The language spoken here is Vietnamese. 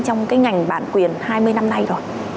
trong cái ngành bản quyền hai mươi năm nay rồi